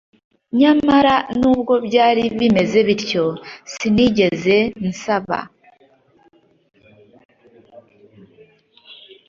nyamara nubwo byari bimeze bityo sinigeze nsaba